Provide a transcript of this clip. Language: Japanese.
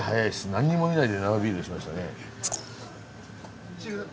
何にも見ないで生ビールにしましたね。